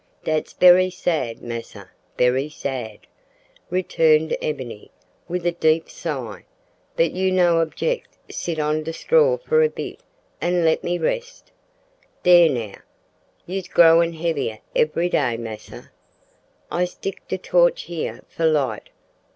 "Dat's berry sad, massa, berry sad," returned Ebony, with a deep sigh, "but you no object sit on de straw for a bit an' let me rest. Dere now. You's growin' heavier every day, massa. I stick de torch here for light.